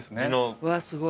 うわっすごい。